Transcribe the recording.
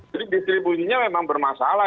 jadi distribusinya memang bermasalah